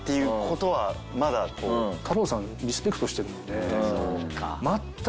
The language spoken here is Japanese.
太郎さんリスペクトしてるので。